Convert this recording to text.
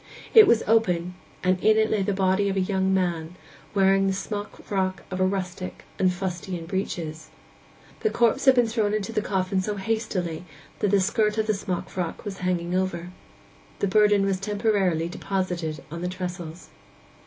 It was open, and in it lay the body of a young man, wearing the smockfrock of a rustic, and fustian breeches. The corpse had been thrown into the coffin so hastily that the skirt of the smockfrock was hanging over. The burden was temporarily deposited on the trestles.